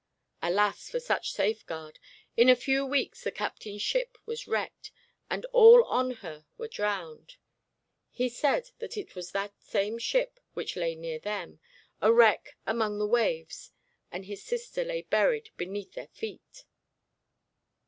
Alas for such safeguard! in a few weeks the captain's ship was wrecked, and all on her were drowned. He said that it was that same ship which lay near them, a wreck among the waves, and his sister lay buried beneath their feet.